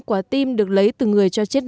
của team được lấy từ người cho chết nạn